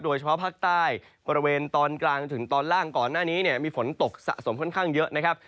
โดยเฉพาะภาคใต้บริเวณตอนกลางถึงตอนล่างก่อนหน้านี้เนี่ยมีฝนตกสะสมค่อนข้างเยอะนะครับ